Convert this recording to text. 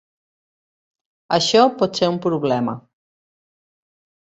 Això pot ser un problema.